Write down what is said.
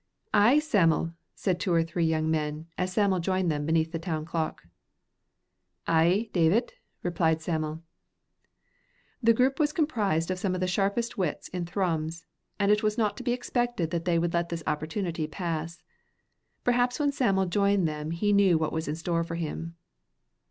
"Ay, Sam'l," said two or three young men, as Sam'l joined them beneath the town clock. "Ay, Davit," replied Sam'l. This group was composed of some of the sharpest wits in Thrums, and it was not to be expected that they would let this opportunity pass. Perhaps when Sam'l joined them he knew what was in store for him.